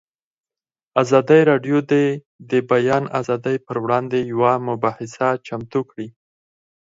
ازادي راډیو د د بیان آزادي پر وړاندې یوه مباحثه چمتو کړې.